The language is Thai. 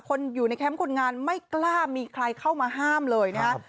คนอยู่ในแคมป์คนงานไม่กล้ามีใครเข้ามาห้ามเลยนะฮะ